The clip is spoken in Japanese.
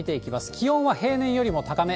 気温は平年よりも高め。